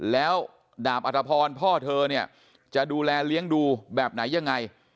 แล้วดาบอัตภพรพ่อเธอเนี่ยจะดูแลเลี้ยงดูแบบไหนยังไง